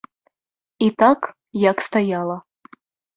І так, як стаяла.